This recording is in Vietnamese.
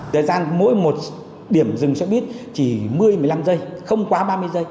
thời gian mỗi một điểm rừng sẽ biết chỉ một mươi một mươi năm giây không quá ba mươi giây